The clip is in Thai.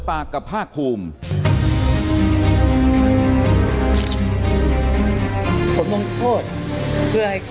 อันดับสุดท้าย